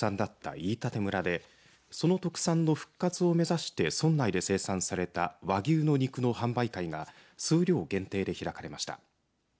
飯舘村でその特産の復活を目指して村内で生産された和牛の肉の販売会が数量限定で開かれました。